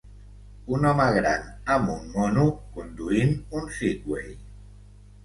Un home gran amb un mono, conduint un Segway.